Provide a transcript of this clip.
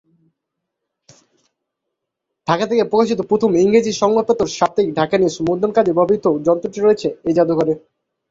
ঢাকা থেকে প্রকাশিত প্রথম ইংরেজি সংবাদপত্র সাপ্তাহিক ‘ঢাকা নিউজ’ মুদ্রণ কাজে ব্যবহৃত মুদ্রণ যন্ত্রটি রয়েছে এই জাদুঘরে।